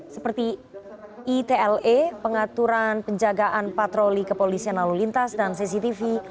seperti itle pengaturan penjagaan patroli ke polisi yang lalu lintas dan cctv